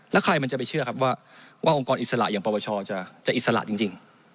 แล้วใครมันจะไปเชื่อครับว่าองค์กรอิสระอย่างปปชจะอิสระจริง